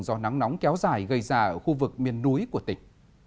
do nắng nóng kéo dài gây ra ở khu vực miền núi của tỉnh